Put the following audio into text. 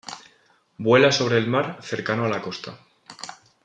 Vuela sobre el mar, cercano a la costa.